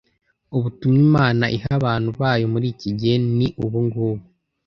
Ubutumwa Imana iha abantu bayo muri iki gihe ni ubungubu: